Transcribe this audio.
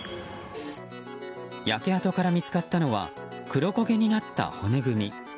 焼け跡から見つかったのは黒焦げになった骨組み。